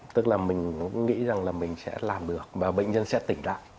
tức là mình nghĩ rằng là mình sẽ làm được và bệnh nhân sẽ tỉnh lại